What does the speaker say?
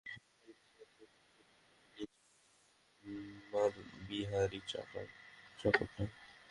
ভারি মাল নিচের ডেক থেকে গাড়িতে নিয়ে গেছে আমার বিহারী চাকরটা।